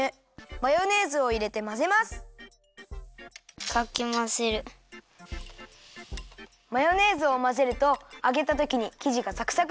マヨネーズをまぜると揚げたときにきじがサクサクになるんだよ！